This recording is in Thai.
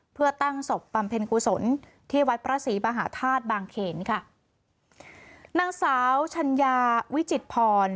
เพื่อตั้งศพบำเพ็ญกุศลที่วัดพระศรีมหาธาตุบางเขนค่ะนางสาวชัญญาวิจิตพร